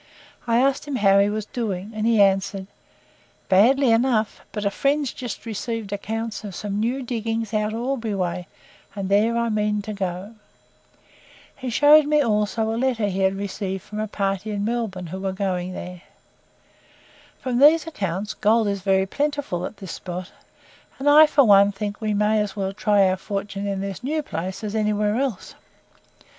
I asked him how he was doing, and he answered, 'badly enough; but a friend's just received accounts of some new diggings out Albury way, and there I mean to go.' He showed me also a letter he had received from a party in Melbourne, who were going there. From these accounts, gold is very plentiful at this spot, and I for one think we may as well try our fortune in this new place, as anywhere else.